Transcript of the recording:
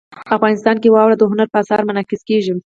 افغانستان کې واوره د هنر په اثار کې منعکس کېږي.